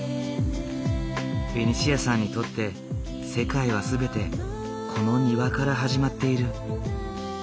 ベニシアさんにとって世界は全てこの庭から始まっている。